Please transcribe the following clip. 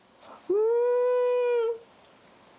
うん！